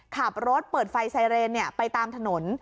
ขับรถเปิดไฟไซเรนไปตามถนน